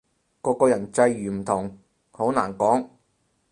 個個人際遇唔同，好難講